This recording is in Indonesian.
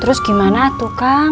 terus gimana atukang